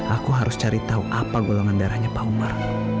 aku harus cari tahu apa golongan darahnya pak umar